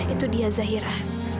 itu dia zahira